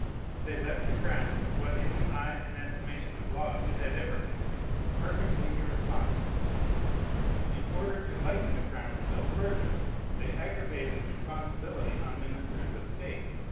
They left the crown, what in the eye and estimation of law it had ever been, perfectly irresponsible. In order to lighten the crown still further, they aggravated responsibility on ministers of state.